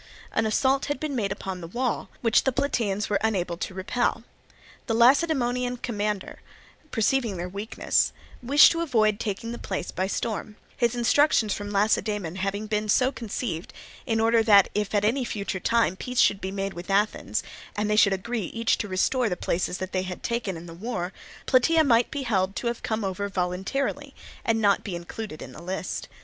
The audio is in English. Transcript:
An assault had been made upon the wall, which the Plataeans were unable to repel. The Lacedaemonian commander, perceiving their weakness, wished to avoid taking the place by storm; his instructions from Lacedaemon having been so conceived, in order that if at any future time peace should be made with Athens, and they should agree each to restore the places that they had taken in the war, Plataea might be held to have come over voluntarily, and not be included in the list.